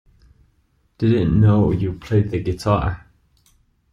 I didn't know you played the guitar!